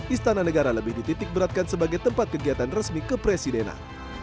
istana negara lebih dititikberatkan sebagai tempat kegiatan resmi kepresidenan